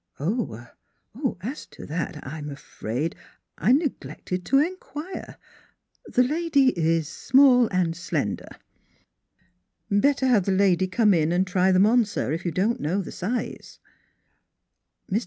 "" Oh er as to that, I'm afraid I neglected to inquire. The lady is small and slender." " Better have the lady come in and try them on, sir, if you don't know the size." Mr.